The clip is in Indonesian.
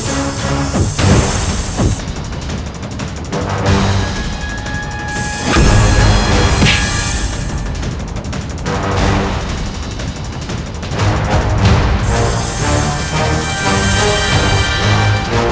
anda dapat héjak